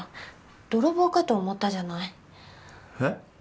泥棒かと思ったじゃないえっ？